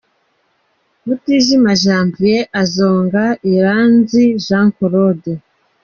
Mutijima Janvier azonga Iranzi Jean Claude.